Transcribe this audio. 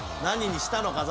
何にしたの？